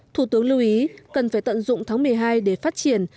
thủ tướng lưu ý cần phải tận dụng tháng một mươi hai để phát triển